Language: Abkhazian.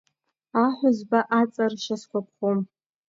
Аҳәызба аҵаршьа сгәаԥхом…